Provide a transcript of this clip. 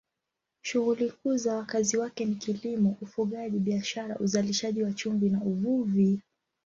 Shughuli kuu za wakazi wake ni kilimo, ufugaji, biashara, uzalishaji wa chumvi na uvuvi.